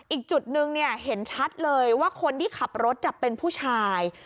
อีกจุดนึงเห็นชัดเลยว่าคนที่ขับรถเป็นผู้ชาย